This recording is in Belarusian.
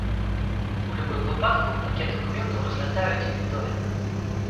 У любым выпадку, пакет дакументаў разглядаюць індывідуальна.